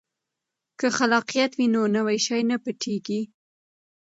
که خلاقیت وي نو نوی شی نه پټیږي.